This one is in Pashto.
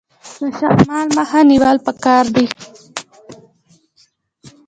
د شمال مخه نیول پکار دي؟